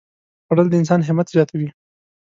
خوړل د انسان همت زیاتوي